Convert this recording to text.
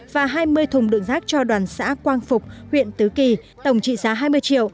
và hai mươi thùng đựng rác cho đoàn xã quang phục huyện tứ kỳ tổng trị giá hai mươi triệu